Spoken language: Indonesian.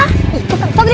itu kang sobri